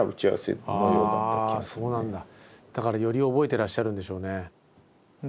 だからより覚えてらっしゃるんでしょうね。